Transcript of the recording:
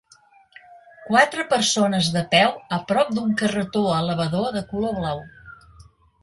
Quatre persones de peu a prop d"un carretó elevador de color blau.